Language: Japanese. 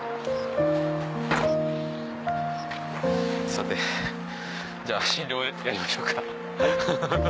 さてじゃあ診療やりましょうか。